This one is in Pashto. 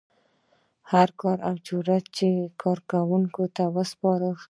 هر کاري اجراات چې کارکوونکي ته سپارل کیږي.